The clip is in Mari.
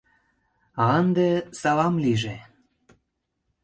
— А ынде — салам лийже!